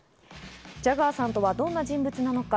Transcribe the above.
ジャガーさんとはどんな人物なのか。